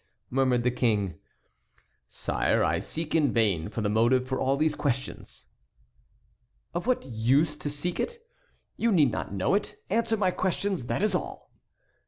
murmured the King. "Sire, I seek in vain for the motive for all these questions." "Of what use to seek it? You need not know it. Answer my questions, that is all."